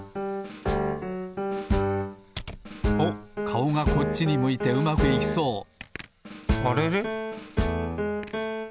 おっかおがこっちに向いてうまくいきそうあれれ？